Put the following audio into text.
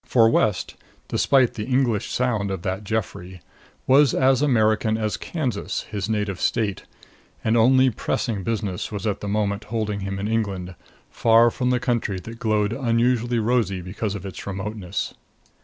For West, despite the English sound of that Geoffrey, was as American as Kansas, his native state, and only pressing business was at that moment holding him in England, far from the country that glowed unusually rosy because of its remoteness.